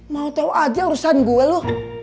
mau tau aja urusan gue lo